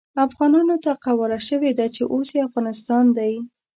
افغانانو ته قواله شوې ده چې اوس يې افغانستان دی.